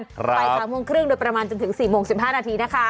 ด้วยกันไปสามโมงครึ่งโดยประมาณจนถึงสี่โมงสิบห้านาทีนะคะ